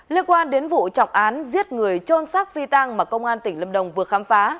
liên quan đến vụ trọng án giết người trôn xác phi tàng mà công an tỉnh lâm đồng vừa khám phá